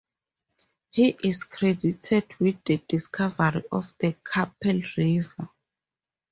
He is credited with the discovery of the Capel River.